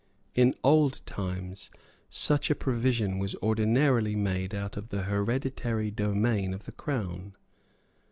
In old times such a provision was ordinarily made out of the hereditary domain of the Crown.